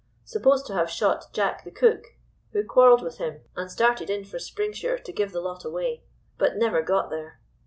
Supposed to have shot "Jack the Cook," who quarrelled with him, and started in for Springsure to give the lot away, but never got there.